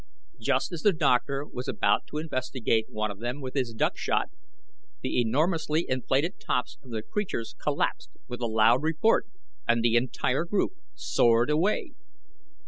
Just as the doctor was about to investigate one of them with his duck shot, the enormously inflated tops of the creatures collapsed with a loud report, and the entire group soared away.